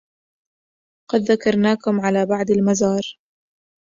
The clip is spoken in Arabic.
قد ذكرناكم على بعد المزار